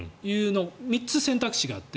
３つ選択肢があって。